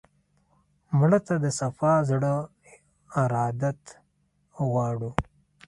مړه ته د صفا زړه ارادت غواړو